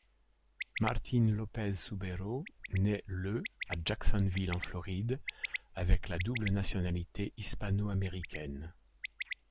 Martín López-Zubero naît le à Jacksonville en Floride avec la double nationalité hispano-américaine.